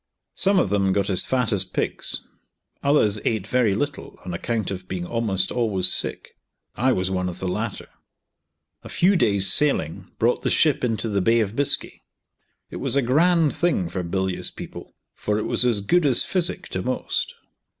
Some of them got as fat as pigs, others ate very little, on account of being almost always sick. I was one of the latter. A few days sailing brought the ship into the Bay of Biscay. It was a grand thing for bilious people, for it was as good as physic to most.